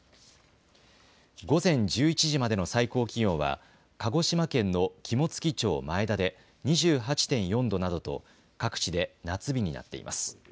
午前１１時までの最高気温は鹿児島県の肝付町前田で２８．４度などと各地で夏日になっています。